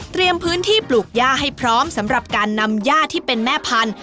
พื้นที่ปลูกย่าให้พร้อมสำหรับการนำย่าที่เป็นแม่พันธุ